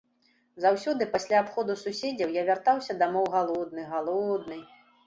Заўсёды пасля абходу суседзяў я вяртаўся дамоў галодны, галодны.